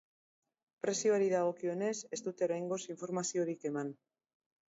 Prezioari dagokionez, ez dute oraingoz informaziorik eman.